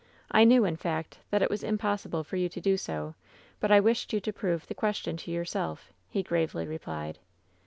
I knew, in fact, that it was impossible for you to do so ; but I wished you to prove the question to yourself,' he gravely replied.